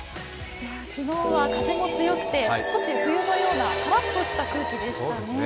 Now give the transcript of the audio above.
昨日は風も強くて、少し冬のようなカラッとした空気でしたね。